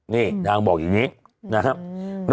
นี่นางบอกอย่างนี้นะครับ